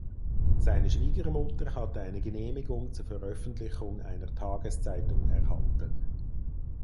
Seine Schwiegermutter hatte eine Genehmigung zur Veröffentlichung einer Tageszeitung erhalten.